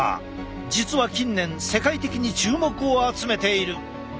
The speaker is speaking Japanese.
実は近年世界的に注目を集めている！